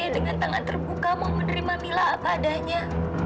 saya dengan tangan terbuka mau menerima mila apadanya